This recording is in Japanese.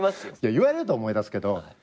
言われると思い出すけど。